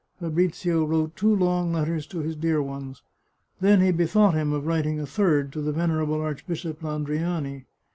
Fabrizio wrote two long letters to his dear ones. Then he bethought him of writing a third to the venerable Archbishop Landriani.